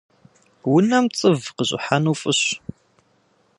Унэм цӏыв къыщӏыхьэну фӏыщ.